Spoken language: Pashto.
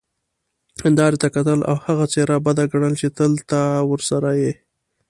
هیندارې ته کتل او هغه څیره بده ګڼل چې تل ته ورسره يې،